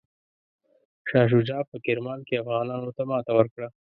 شاه شجاع په کرمان کې افغانانو ته ماته ورکړه.